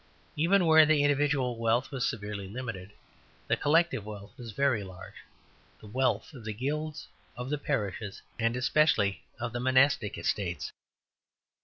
Even where the individual wealth was severely limited, the collective wealth was very large the wealth of the Guilds, of the parishes, and especially of the monastic estates.